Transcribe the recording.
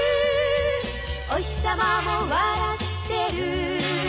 「おひさまも笑ってる」